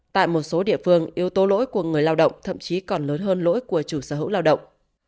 tại một số địa phương yếu tố lỗi của người lao động thậm chí còn lớn hơn lỗi của chủ sở hữu lao động